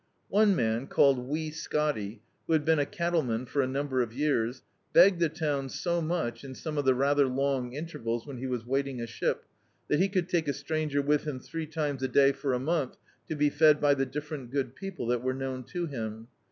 One man, called Wee Scotty, who had been a cattleman for a number of years, begged the town so much in some of the rather long intervals when he was waiting a ship, that he could take a stranger with him three times a day for a month, to be fed by the different good people that were known to him.